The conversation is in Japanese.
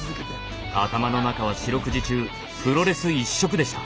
頭の中は四六時中プロレス一色でした。